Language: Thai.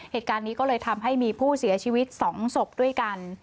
เหตุการณ์นี้ก็เลยทำให้มีผู้เสียชีวิต๒ศพด้วยกัน